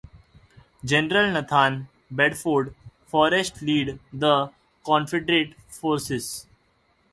General Nathan Bedford Forrest led the Confederate forces.